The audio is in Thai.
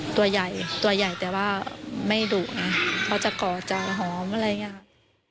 ตัวใหญ่แต่ว่าไม่ดุจะกอดจะหอมอะไรง่าย